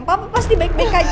kamu pasti baik baik aja